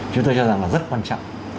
chúng tôi cho rằng là rất quan trọng